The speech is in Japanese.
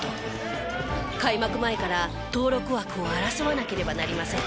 開幕前から登録枠を争わなければなりません。